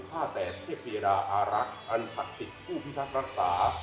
ผ่าแตดเพลตรียราอารักษ์อันศักษิตปุพิธรัตนรักษา